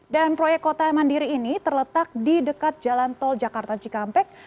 dan proyek kota mandiri ini terletak di dekat jalan tol jakarta cikampek